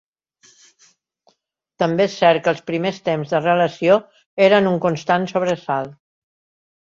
També és cert que els primers temps de relació eren un constant sobresalt.